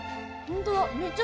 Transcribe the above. ほんとだ。